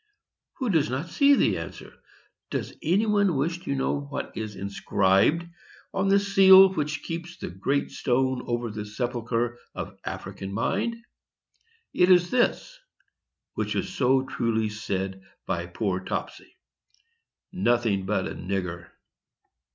Who does not see the answer? Does any one wish to know what is inscribed on the seal which keeps the great stone over the sepulchre of African mind? It is this;—which was so truly said by poor Topsy,—"NOTHING BUT A NIGGER!"